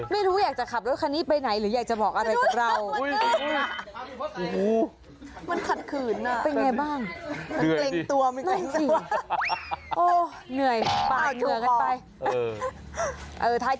ไม่รู้อยากจะขับรถคันนี้ไปไหนหรืออยากจะบอกอะไรกับเรา